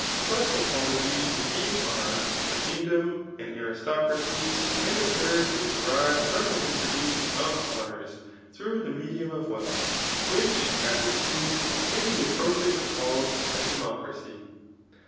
But the polities indeed ai^ a Idngdom, an aristocracy, and the third is derived from the distrSmtiott of htmours through the n^dium of wealth, which as it teema may be appropriately called a timo tracy.